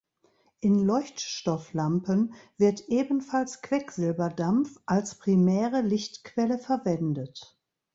In Leuchtstofflampen wird ebenfalls Quecksilberdampf als primäre Lichtquelle verwendet.